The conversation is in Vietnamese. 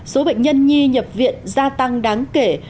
số bệnh nhân nhi nhập viện gia tăng đáng kể